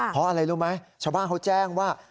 เพราะอะไรรู้ไหมชาวบ้านเขาแจ้งว่า